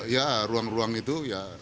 ya ruang ruang itu